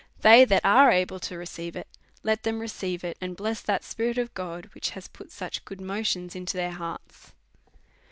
They that are ready to receive it, let them receive it, and bless that Spirit of God which has put such good motions into their hearts.